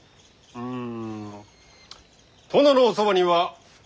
うん？